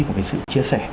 một cái sự chia sẻ